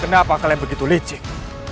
kenapa kalian begitu licik